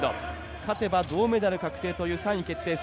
勝てば銅メダル確定という３位決定戦。